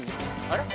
あれ？